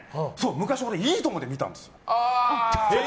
昔、俺「いいとも！」で見たんですよ！